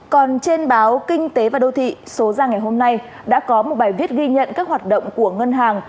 còn trên báo kinh tế và đô thị số ra ngày hôm nay đã có một bài viết ghi nhận các hoạt động của ngân hàng